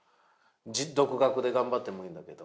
独学で頑張ってもいいんだけど。